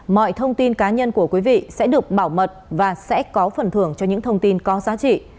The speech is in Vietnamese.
mọi thông tin cá nhân của quý vị sẽ được bảo mật và sẽ có phần thưởng cho những thông tin có giá trị